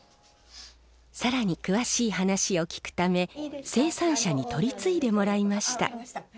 更に詳しい話を聞くため生産者に取り次いでもらいました。